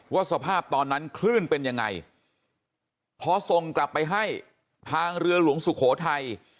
สภาพตอนนั้นคลื่นเป็นยังไงพอส่งกลับไปให้ทางเรือหลวงสุโขทัย